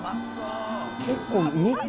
結構。